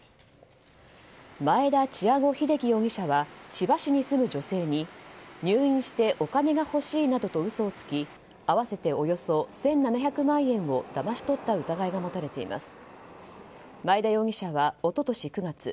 マエダ・チアゴ・ヒデキ容疑者は千葉市に住む女性に入院してお金が欲しいなどと嘘をつき合わせておよそ１７００万円をだまし取った疑いが持たれています。